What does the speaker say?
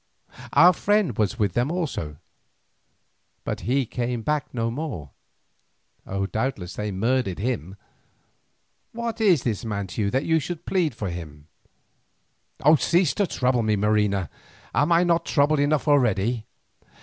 Our friend was with them also, but he came back no more; doubtless they murdered him. What is this man to you that you should plead for him? Cease to trouble me, Marina, am I not troubled enough already?"